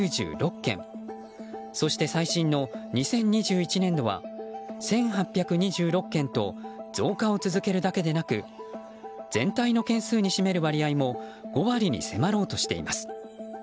そして、最新の２０２１年度は１８２６件と増加を続けるだけでなく全体の件数に占める割合も５割に迫ろうとしています。